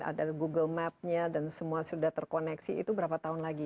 ada google map nya dan semua sudah terkoneksi itu berapa tahun lagi